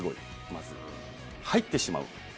まず。入ってしまう。